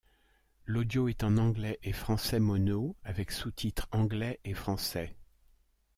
L'audio est en anglais et français mono avec sous-titre anglais et français.